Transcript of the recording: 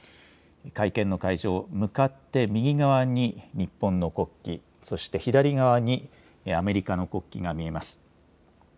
会見の会場、向かって右側に日本の国旗、そして左側にアメリカの国旗が見えます。